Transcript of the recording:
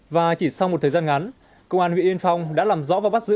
và chỉ sau một thời gian ngắn công an huyện yên phong đã làm rõ và bắt giữ